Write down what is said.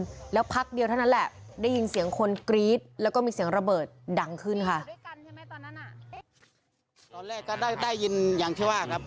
เดี๋ยวพักเดียวเท่านั้นแหละได้ยินเสียงคนกรี๊ดแล้วก็มีเสียงระเบิดดังขึ้นค่ะ